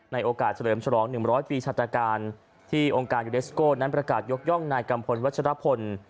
โอกาสเฉลิมฉลอง๑๐๐ปีชาตการที่องค์การยูเดสโก้นั้นประกาศยกย่องนายกัมพลวัชรพล